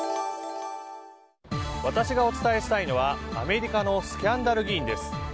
私がお伝えしたいのはアメリカのスキャンダル議員です。